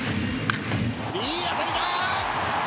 いい当たりだ。